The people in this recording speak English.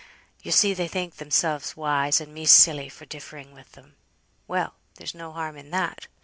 Yo see they think themselves wise, and me silly, for differing with them; well! there's no harm in that.